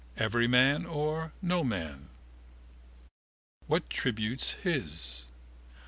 Everyman or Noman. What tributes his?